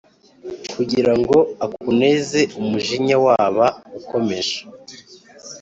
Kugira ngo akunezeUmujinya waba ukomeje